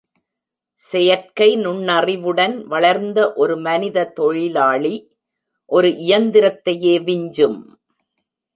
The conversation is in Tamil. செயற்கை நுண்ணறிவுடன் வளர்ந்த ஒரு மனித தொழிலாளி ஒரு இயந்திரத்தையே விஞ்சும்.